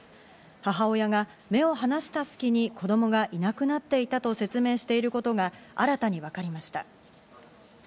母親が目を離した隙に子供がいなくなっていたと説明していることが新たに分かりました。